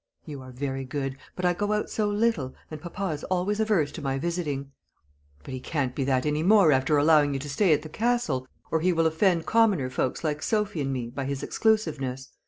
"You are very good; but I go out so little, and papa is always averse to my visiting." "But he can't be that any more after allowing you to stay at the Castle, or he will offend commoner folks, like Sophy and me, by his exclusiveness.